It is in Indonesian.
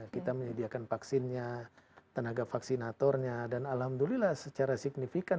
kita menyediakan vaksinnya tenaga vaksinatornya dan alhamdulillah secara signifikan